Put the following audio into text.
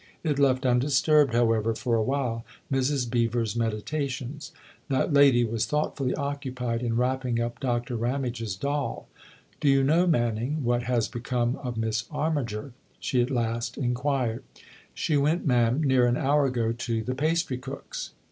It left undisturbed, however, for awhile, Mrs. Beever's meditations; that lady was thoughtfully occupied in wrapping up Doctor Ramage's doll. " Do you know, Manning, what has become of Miss Armiger?" she at last inquired. H4 THE OTHER HOUSE "She went, ma'am, near an hour ago, to the pastrycook's."